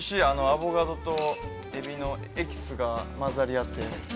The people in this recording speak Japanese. アボカドとエビのエキスが混ざり合って。